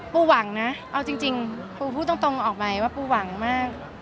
ปูหวังนะเอาจริงปูพูดตรงออกไปว่าปูหวังมาก